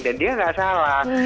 dan dia nggak salah